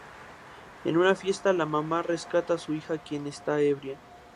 En una fiesta la mamá rescata a su hija, quien está ebria.